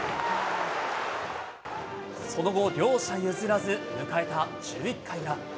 その後、両者譲らず、迎えた１１回裏。